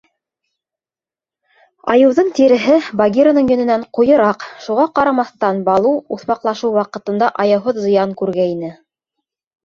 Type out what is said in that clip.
Айыуҙың тиреһе Багираның йөнөнән ҡуйыраҡ, шуға ҡарамаҫтан, Балу уҫмаҡлашыу ваҡытында аяуһыҙ зыян күргәйне.